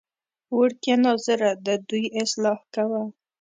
وړکیه ناظره ددوی اصلاح کوه.